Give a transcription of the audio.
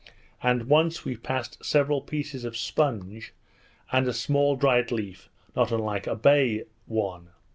and once we passed several pieces of sponge, and a small dried leaf not unlike a bay one.